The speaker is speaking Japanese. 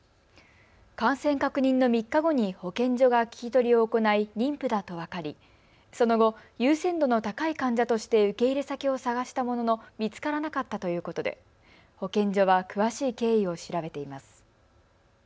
感染確認の３日後に保健所が聞き取りを行い妊婦だと分かりその後、優先度の高い患者として受け入れ先を探したものの見つからなかったということで保健所は詳しい経緯を調べています。